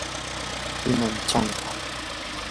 ¿pimanmi chanqa?